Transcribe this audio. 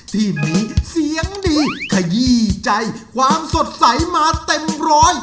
ทีมนี้เสียงดีขยี้ใจความสดใสมาเต็มร้อย